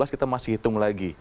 kita masih hitung lagi